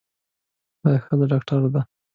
دا ښځه ډاکټره ده.